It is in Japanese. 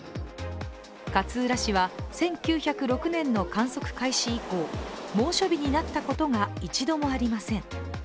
勝浦市は１９０６年の観測開始以降猛暑日になったことが一度もありません。